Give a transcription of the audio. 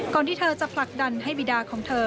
ที่เธอจะผลักดันให้บิดาของเธอ